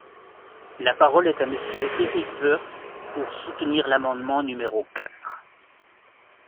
La parole est à Monsieur Éric Woerth, pour soutenir l’amendement numéro quatre.